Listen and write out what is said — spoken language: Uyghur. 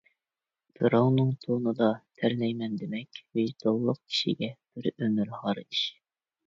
بىراۋنىڭ تونىدا تەرلەيمەن دېمەك، ۋىجدانلىق كىشىگە بىر ئۆمۈر ھار ئىش.